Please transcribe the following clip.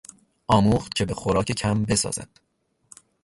آموخت که به خوراک کم بسازد.